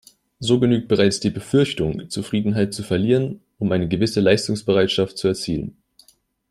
So genügt bereits die Befürchtung Zufriedenheit zu verlieren, um eine gewisse Leistungsbereitschaft zu erzielen.